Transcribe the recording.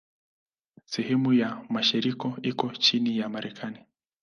Sehemu ya mashariki iko chini ya Marekani.